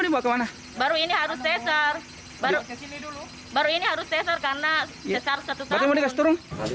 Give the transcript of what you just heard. baru ini harus teser karena teser satu tahun